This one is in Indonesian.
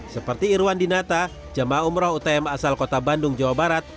seperti irwan dinata jemaah umroh utm asal kota bandung jawa barat